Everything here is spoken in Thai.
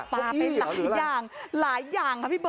ปลาเป็นหลายอย่างหลายอย่างค่ะพี่เบิ